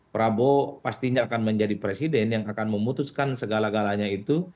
prabowo pastinya akan menjadi presiden yang akan memutuskan segala galanya itu